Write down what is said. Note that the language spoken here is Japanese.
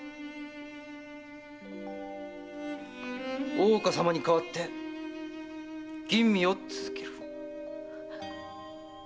大岡様に代わって吟味を続ける。